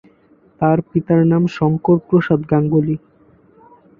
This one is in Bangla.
তার পিতার নাম শংকর প্রসাদ গাঙ্গুলি।